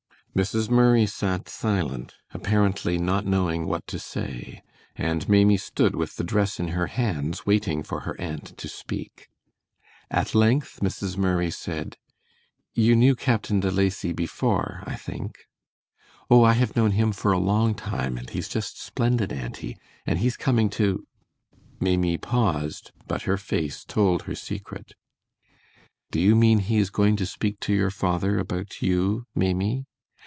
Mrs. Murray sat silent, apparently not knowing what to say, and Maimie stood with the dress in her hands waiting for her aunt to speak. At length Mrs. Murray said: "You knew Captain De Lacy before, I think." "Oh, I have known him for a long time, and he's just splendid, auntie, and he's coming to " Maimie paused, but her face told her secret. "Do you mean he is going to speak to your father about you, Maimie?"